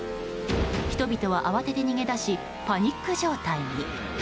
人々は慌てて逃げ出しパニック状態に。